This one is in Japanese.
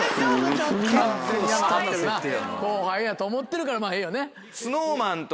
後輩やと思ってるからまぁいいよね。